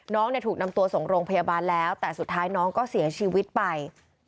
ถูกนำตัวส่งโรงพยาบาลแล้วแต่สุดท้ายน้องก็เสียชีวิตไป